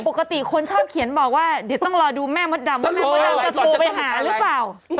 ปกติคนชอบเขียนบอกว่าเดี๋ยวต้องรอดูแม่มดดำ